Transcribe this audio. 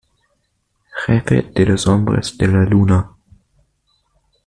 Jefe de los Hombres de la Luna.